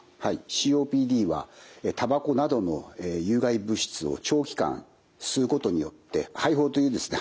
ＣＯＰＤはタバコなどの有害物質を長期間吸うことによって肺胞というですね